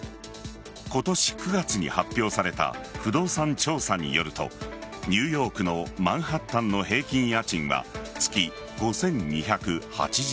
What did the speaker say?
今年９月に発表された不動産調査によるとニューヨークのマンハッタンの平均家賃は月５２８７ドル。